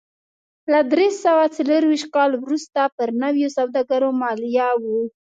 له درې سوه څلرویشت کال وروسته پر نویو سوداګرو مالیه و